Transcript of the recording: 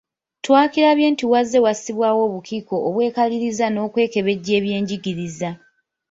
Twakirabye nti wazze wassibwawo obukiiko obwekaliriza n'okwekebejja eby'enjigiriza.